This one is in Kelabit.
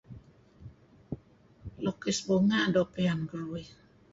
Lukis bunga' doo' pian keruih.